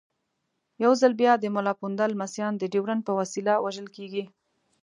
یو ځل بیا د ملا پوونده لمسیان د ډیورنډ په وسیله وژل کېږي.